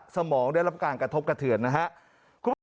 สมองได้รับการกระทบกระเทือนนะครับ